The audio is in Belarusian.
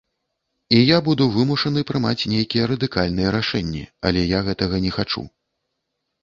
І я буду вымушаны прымаць нейкія радыкальныя рашэнні, але я гэтага не хачу.